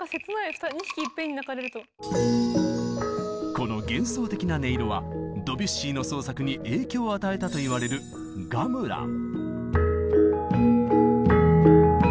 この幻想的な音色はドビュッシーの創作に影響を与えたといわれるガムラン。